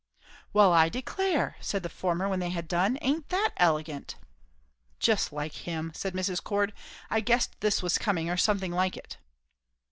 "Well, I declare!" said the former, when they had done. "Aint that elegant!" "Just like him," said Mrs. Cord. "I guessed this was coming, or something like it."